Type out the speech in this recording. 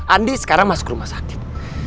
andi sekarang masuk rumah sakit